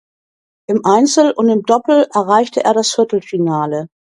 Im Einzel und im Doppel erreichte er das Viertelfinale.